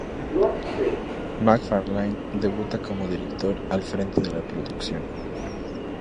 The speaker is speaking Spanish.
MacFarlane debuta como director al frente de la producción.